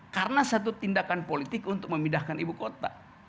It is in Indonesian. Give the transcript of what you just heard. karena satu tindakan politik untuk memindahkan ibukota